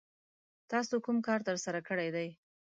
تاسو کوم کار ترسره کړی دی؟